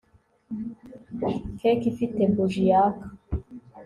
Cake ifite buji yaka